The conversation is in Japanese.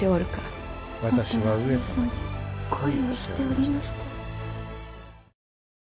もとは上様に恋をしておりましたよ。